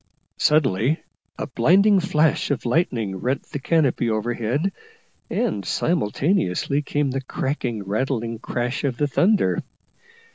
Suddenly a blinding flash of lightning rent the canopy overhead, and simultaneously came the cracking, rattling crash of the thunder.